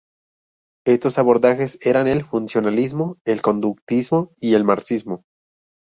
Estos abordajes eran el funcionalismo, el conductismo y el marxismo.